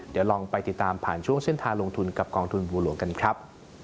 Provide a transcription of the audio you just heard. เดี๋ยวลองไปติดตามผ่านช่วงเส้นทางลงทุนกับกองทุนบัวหลวงกันครับ